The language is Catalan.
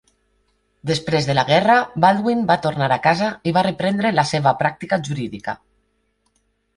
Després de la guerra, Baldwin va tornar a casa i va reprendre la seva pràctica jurídica.